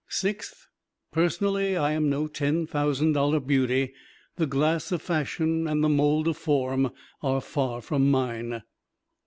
Sixth, personally, I am no ten thousand dollar beauty: the glass of fashion and the mold of form are far from mine.